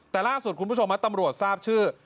แต่ล่าสุดคุณผู้ชมตำรวจทราบชื่อ